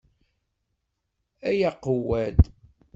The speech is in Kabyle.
Ay aqewwad!